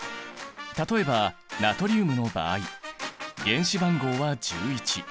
例えばナトリウムの場合原子番号は１１。